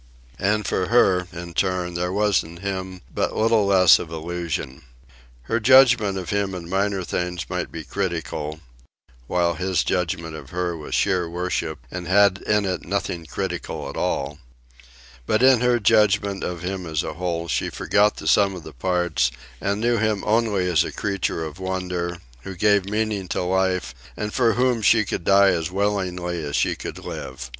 And for her, in turn, there was in him but little less of illusion. Her judgment of him in minor things might be critical (while his judgment of her was sheer worship, and had in it nothing critical at all); but in her judgment of him as a whole she forgot the sum of the parts, and knew him only as a creature of wonder, who gave meaning to life, and for whom she could die as willingly as she could live.